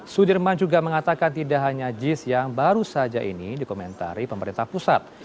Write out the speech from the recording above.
sudirman juga mengatakan tidak hanya jis yang baru saja ini dikomentari pemerintah pusat